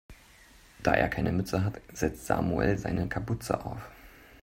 Da er keine Mütze hat, setzt Samuel seine Kapuze auf.